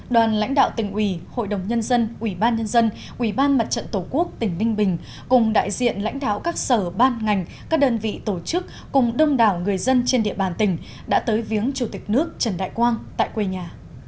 đoàn lãnh đạo tỉnh ủy hội đồng nhân dân ủy ban nhân dân ủy ban mặt trận tổ quốc tỉnh ninh bình cùng đại diện lãnh đạo các sở ban ngành các đơn vị tổ chức cùng đông đảo người dân trên địa bàn tỉnh đã tới viếng chủ tịch nước trần đại quang tại quê nhà